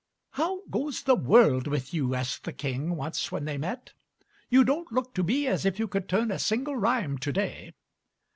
"How goes the world with you?" asked the King once when they met; "you don't look to me as if you could turn a single rhyme to day."